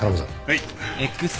はい。